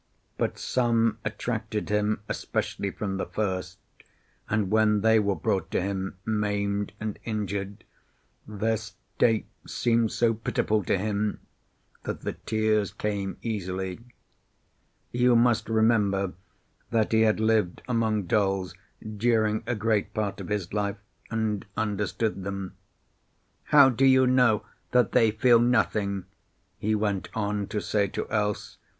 But some attracted him especially from the first, and when they were brought to him maimed and injured, their state seemed so pitiful to him that the tears came easily. You must remember that he had lived among dolls during a great part of his life, and understood them. "How do you know that they feel nothing?" he went on to say to Else.